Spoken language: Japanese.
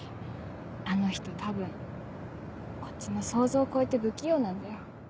あの人多分こっちの想像を超えて不器用なんだよ。